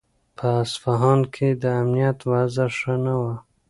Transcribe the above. په اصفهان کې د امنیت وضع ښه نه وه.